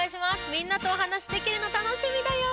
みんなとおはなしできるのたのしみだよ！